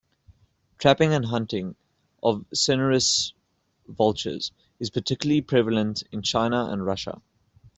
Trapping and hunting of cinereous vultures is particularly prevalent in China and Russia.